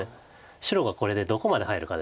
白がこれでどこまで入るかです。